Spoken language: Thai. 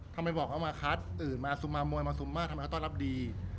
ทำไมบอกเอามาคัดตื่นมาซุมมามวยมาซุมมากทำไมเขาต้อนรับดี